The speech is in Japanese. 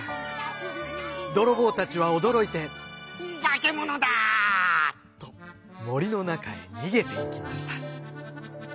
泥棒たちは驚いて「化け物だ！」と森の中へ逃げていきました。